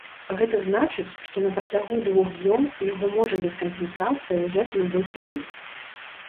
Гэта значыць, што на працягу двух дзён яго можа без кампенсацыі ўзяць любы клуб.